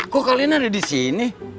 kok kalian ada di sini